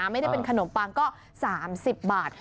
ไม่ได้เป็นขนมปังก็๓๐บาท